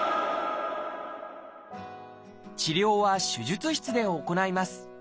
治療は手術室で行います。